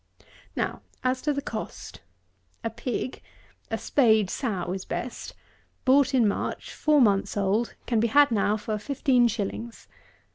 155. Now, as to the cost. A pig (a spayed sow is best) bought in March four months old, can be had now for fifteen shillings.